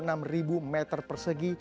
dengan luas sembilan puluh enam meter persegi